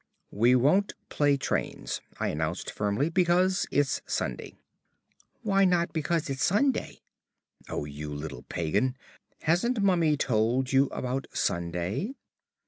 "We won't play trains," I announced firmly, "because it's Sunday." "Why not because it's Sunday?" (Oh, you little pagan!) "Hasn't Mummy told you about Sunday?"